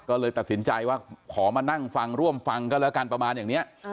ก็เลยตัดสินใจว่าขอมานั่งฟังร่วมฟังก็แล้วกันประมาณอย่างนี้